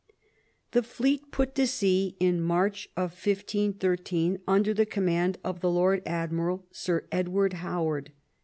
The fleet put to sea in March 1513, under the com mand of the Lord Admiral Sir Edward Howard.